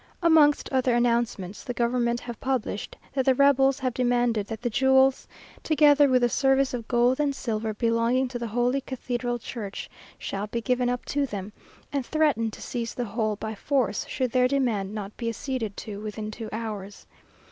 Amongst other announcements, the government have published, that the rebels have demanded that the jewels, together with the service of gold and silver belonging to the Holy Cathedral Church, shall be given up to them, and threaten to seize the whole by force, should their demand not be acceded to within two hours.